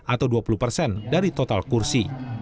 atau dua puluh persen dari total kursi